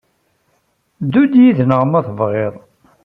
Ddu-d yid-neɣ ma tebɣiḍ.